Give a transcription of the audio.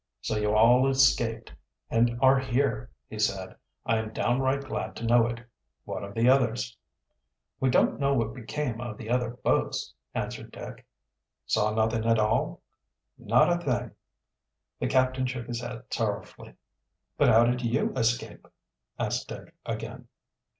"So you all escaped and are here," he said. "I am downright glad to know it. What of the others?" "We don't know what became of the other boats," answered Dick. "Saw nothing at all?" "Not a thing." The captain shook his head sorrowfully. "But how did you escape?" asked Dick again.